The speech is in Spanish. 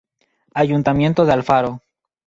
Ayuntamiento de Alfaro.